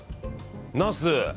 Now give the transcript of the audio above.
ナス。